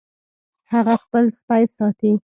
هغه خپل سپی ساتي